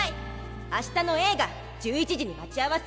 あしたの映画１１時に待ち合わせ。